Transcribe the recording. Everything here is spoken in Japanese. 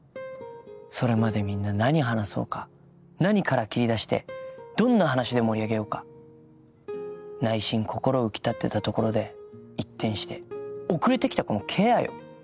それまでみんな何話そうか何から切り出してどんな話で盛り上げようか内心心浮き立ってたところで一転して遅れてきた子のケアよ。